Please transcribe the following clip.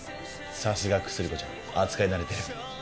さすが薬子ちゃん扱い慣れてる。